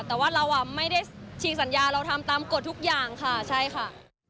แต่ว่าเราอ่ะไม่ได้ฉีกสัญญาเราทำตามกฎทุกอย่างค่ะใช่ค่ะ